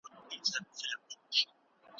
ادبیات د منځپانګي له مخي وېشل سوي دي.